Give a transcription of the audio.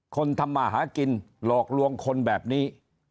ทำมาหากินหลอกลวงคนแบบนี้